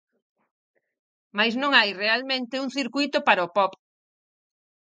Mais non hai, realmente, un circuíto para o pop.